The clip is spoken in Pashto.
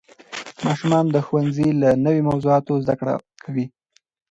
ماشومان د ښوونځي له نوې موضوعاتو زده کړه کوي